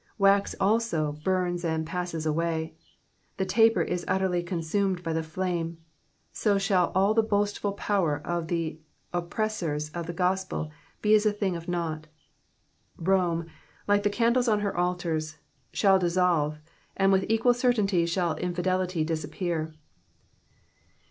Wax, also, burns and passes away ; the taper is utterly consumed by the flame : so shall all the boastful power of the opposers of the &:ospel be as a thing of nought. Rome, like the candles on her altars, shall dissolve, and with equal certainty shall infidelity disappear.